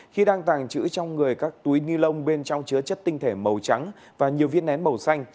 khi đang tàng trữ trong người các túi ni lông bên trong chứa chất tinh thể màu trắng và nhiều viên nén màu xanh